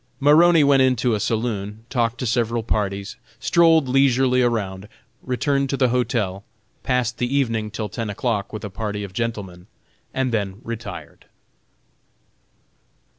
Maroney went into a saloon, talked to several parties, strolled leisurely around, returned to the hotel, passed the evening till ten o'clock with a party of gentlemen, and then retired.